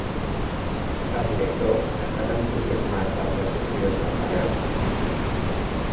El director estava entusiasmat per les sortides del Ravel.